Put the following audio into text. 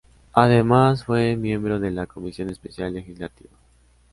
Además fue miembro de la Comisión Especial Legislativa.